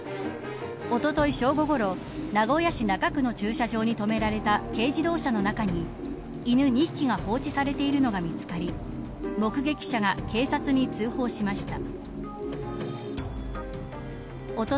おととい正午ごろ名古屋市中区の駐車場に止められた軽自動車の中に犬２匹が放置されているのが見つかり目撃者が警察に通報しました。